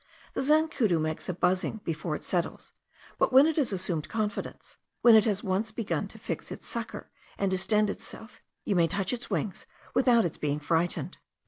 The zancudo makes a buzzing before it settles; but, when it has assumed confidence, when it has once begun to fix its sucker, and distend itself, you may touch its wings without its being frightened.